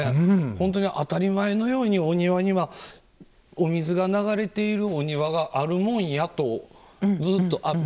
本当に当たり前のようにお庭にはお水が流れているお庭があるもんやとじっと。